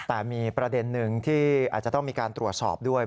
แต่มีประเด็นหนึ่งที่อาจจะต้องมีการตรวจสอบด้วย